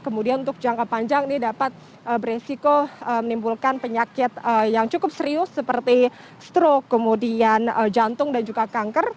kemudian untuk jangka panjang ini dapat beresiko menimbulkan penyakit yang cukup serius seperti stroke kemudian jantung dan juga kanker